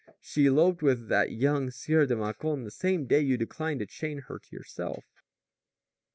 She eloped with that young Sieur de Mâcon the same day you declined to chain her to yourself."